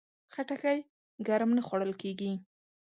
خټکی ګرم نه خوړل کېږي.